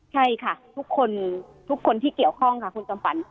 ใช่ค่ะทุกคนทุกคนที่เกี่ยวข้องค่ะคุณจำฝัน